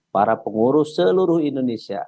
para pengurus seluruh indonesia